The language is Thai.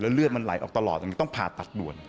เลือดมันไหลออกตลอดต้องผ่าตัดด่วน